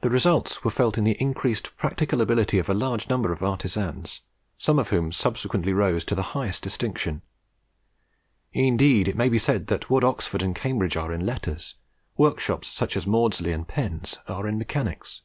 The results were felt in the increased practical ability of a large number of artisans, some of whom subsequently rose to the highest distinction. Indeed it may be said that what Oxford and Cambridge are in letters, workshops such as Maudslay's and Penn's are in mechanics.